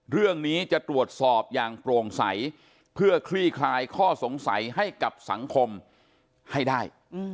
เรื่องนี้จะตรวจสอบอย่างโปร่งใสเพื่อคลี่คลายข้อสงสัยให้กับสังคมให้ได้